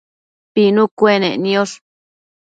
pinu cuenec niosh